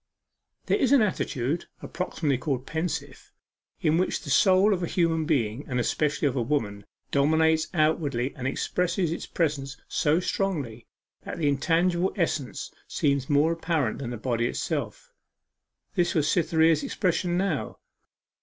There is an attitude approximatively called pensive in which the soul of a human being, and especially of a woman, dominates outwardly and expresses its presence so strongly, that the intangible essence seems more apparent than the body itself. This was Cytherea's expression now.